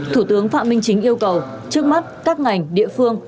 thủ tướng phạm minh chính yêu cầu trước mắt các ngành địa phương